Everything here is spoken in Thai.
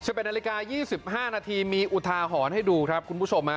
เชื่อเป็นนาฬิกา๒๕นาทีมีอุทาหอนให้ดูครับคุณผู้ชมนะ